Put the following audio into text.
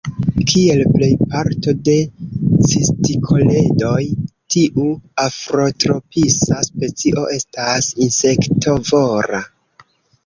Kiel plej parto de cistikoledoj, tiu afrotropisa specio estas insektovora.